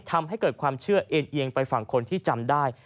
ทำให้เกิดความเชื่อเอ็นเอียงไปฝั่งคนที่จำได้